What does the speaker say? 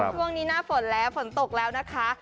ช่วงนี้หน้าฝนแล้วฝนตกแล้วนะคะ